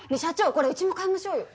これうちも買いましょうよ。